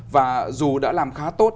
và dù đã làm khá tốt